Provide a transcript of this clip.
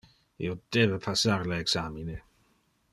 Io debe passar le examine.